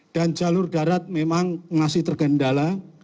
dan jalur darat memang masih tergendala